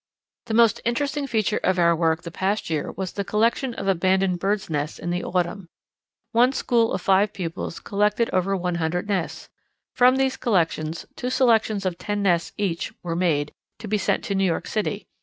"The most interesting feature of our work the past year was the collection of abandoned birds' nests in the autumn. One school of five pupils collected over 100 nests. From these collections two selections of ten nests each were made, to be sent to New York City.